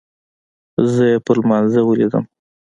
زه يې په لمانځه وليدم.